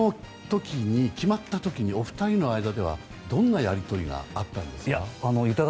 決まった時にお二人の間ではどんなやり取りがあったんですか？